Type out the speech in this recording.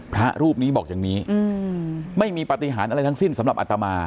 พระรูปนี้บอกอย่างนี้ไม่มีปฏิหารอะไรทั้งสิ้นสำหรับอัตมา